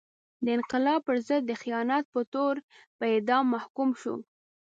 د انقلاب پر ضد د خیانت په تور په اعدام محکوم شو.